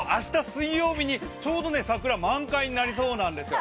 水曜日にちょうど桜、満開になりそうなんですよ。